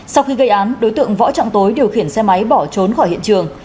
sau khi gây án đối tượng võ trọng tối điều khiển xe máy bỏ trốn khỏi hiện trường